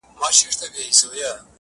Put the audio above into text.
تر اټکه د هلیمند څپې رسیږي،